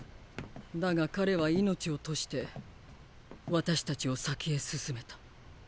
だが彼は命を賭して私たちを先へ進めた。